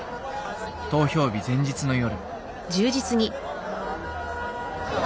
投票日前日の夜。